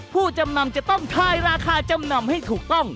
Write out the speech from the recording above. ผู้จำนำจะต้องทายราคาจำนำให้ถูกต้อง